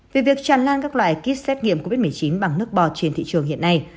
về việc tràn lan các loại kit xét nghiệm covid một mươi chín bằng nước bọt trên thị trường hiện nay